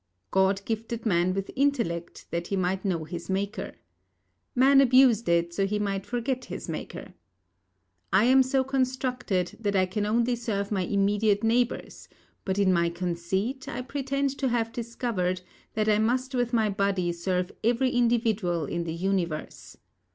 God gifted man with intellect that he might know his Maker. Man abused it, so that he might forget his Maker. I am so constructed that I can only serve my immediate neighbours, but in my conceit, I pretend to have discovered that I must with my body serve every individual in the Universe.